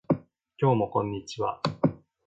今日もこんにちは